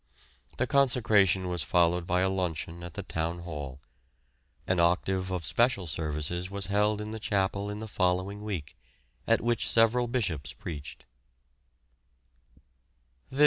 The consecration was followed by a luncheon at the Town Hall. An octave of special services was held in the chapel in the following week, at which several bishops preached.